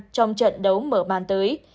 trong trận đấu mở bàn tới